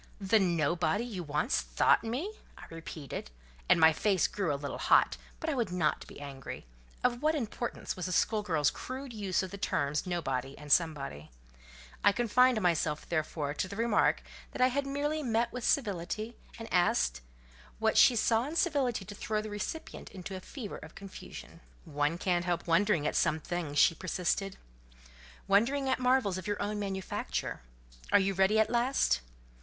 "The nobody you once thought me!" I repeated, and my face grew a little hot; but I would not be angry: of what importance was a school girl's crude use of the terms nobody and somebody? I confined myself, therefore, to the remark that I had merely met with civility; and asked "what she saw in civility to throw the recipient into a fever of confusion?" "One can't help wondering at some things," she persisted. "Wondering at marvels of your own manufacture. Are you ready at last?"